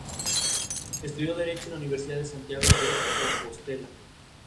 La canción "The Bully" fue co-escrita por Furler con el músico, Beck.